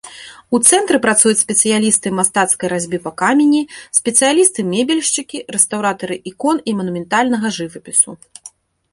У цэнтры працуюць спецыялісты мастацкай разьбы па камені, спецыялісты-мэбельшчыкі, рэстаўратары ікон і манументальнага жывапісу.